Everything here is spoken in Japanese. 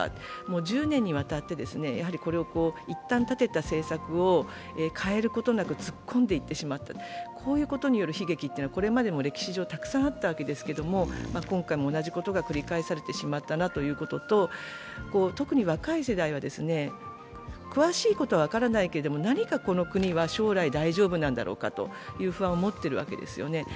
１０年にわたって一旦立てた政策を変えることなく突っ込んでいってしまったと、こういうことによる悲劇はこれまでも歴史上たくさんあったわけですけれども、今回も同じことが繰り返されてしまったなということと特に若い世代は詳しいことは分からないけれども何かこの国は将来大丈夫なんだろうかという不安を持っているわけですよね。